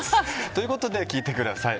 ということで聴いてください。